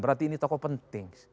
berarti ini tokoh penting